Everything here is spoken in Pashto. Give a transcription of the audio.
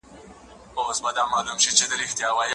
هرځل چې معلومات شریک شي، پوهاوی زیاتېږي.